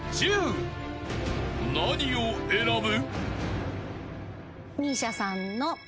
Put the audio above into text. ［何を選ぶ？］